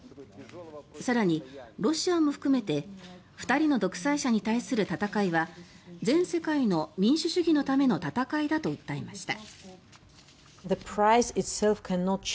更に、ロシアも含めて２人の独裁者に対する戦いは全世界の民主主義のための戦いだと訴えました。